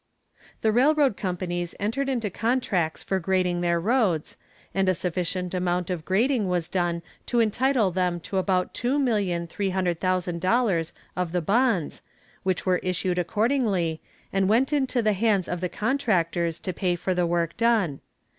The railroad companies entered into contracts for grading their roads, and a sufficient amount of grading was done to entitle them to about $2,300,000 of the bonds, which were issued accordingly, and went into the hands of the contractors to pay for the work done.